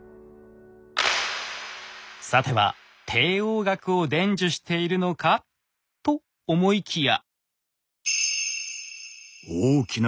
さては帝王学を伝授しているのか？と思いきや。